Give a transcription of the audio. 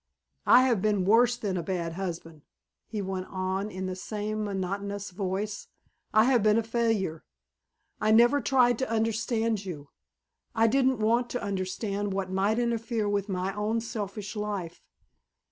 "I have been worse than a bad husband," he went on in the same monotonous voice. "I have been a failure. I never tried to understand you. I didn't want to understand what might interfere with my own selfish life.